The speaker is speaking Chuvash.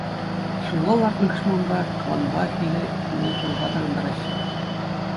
Ҫулла лартнӑ кӑшманпа, кавӑнпа хӗлле ӗне-сурӑха тӑрантараҫҫӗ.